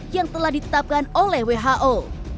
yang telah ditetapkan oleh who